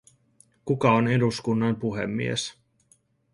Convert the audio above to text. Kuka on eduskunnan puhemies?